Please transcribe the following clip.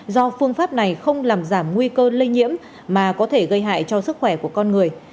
do phương pháp này không làm giảm nguy cơ lây nhiễm mà có thể gây hại cho sức khỏe của con người